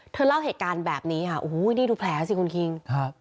เล่าเหตุการณ์แบบนี้ค่ะโอ้โหนี่ดูแผลสิคุณคิงครับ